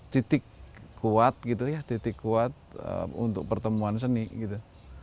titik kuat gitu ya titik kuat untuk pertemuan seni gitu